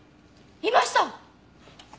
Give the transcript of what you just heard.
いました！